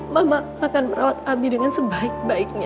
mama akan merawat abi dengan sebaik baiknya